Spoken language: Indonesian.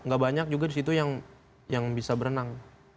dan gak banyak juga disitu yang bisa berenang